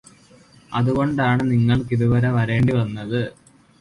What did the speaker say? അതുകൊണ്ടാണ് നിങ്ങൾക്ക് ഇതുവരെ വരേണ്ടി വന്നത്